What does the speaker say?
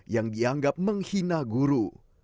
yang dianggap menghina guru